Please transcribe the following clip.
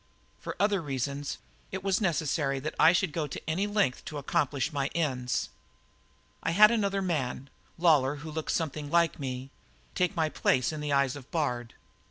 For other reasons it was necessary that I go to any length to accomplish my ends. "I had another man Lawlor, who looks something like me take my place in the eyes of Bard.